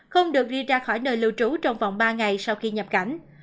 không được đi ra khỏi nơi lưu trú trong vòng ba ngày sau khi nhập cảnh